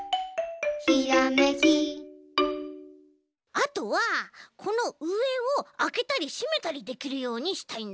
あとはこのうえをあけたりしめたりできるようにしたいんだよね。